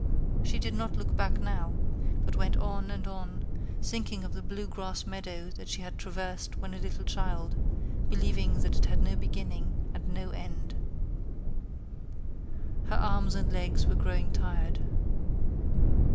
She did not look back now, but went on and on, thinking of the blue grass meadow that she had traversed when a little child, believing that it had no beginning and no end. Her arms and legs were growing tired.